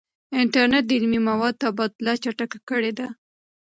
انټرنیټ د علمي موادو تبادله چټکه کړې ده.